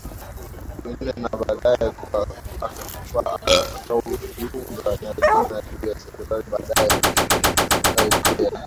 minne na baadae kwa akaujiunga na elimu ya juu ya sekondari Baadae Ruge akarejea